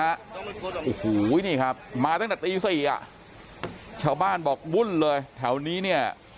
โอ้โหนี่ครับมาตั้งแต่ตีสี่อ่ะชาวบ้านบอกวุ่นเลยแถวนี้เนี่ย